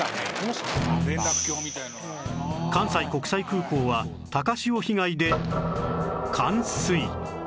関西国際空港は高潮被害で